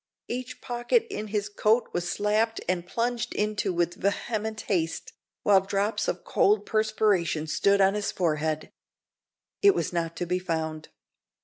Each pocket in his coat was slapped and plunged into with vehement haste, while drops of cold perspiration stood on his forehead. It was not to be found.